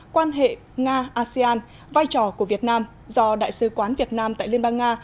quan hệ nga asean vai trò của việt nam do đại sứ quán việt nam tại liên bang nga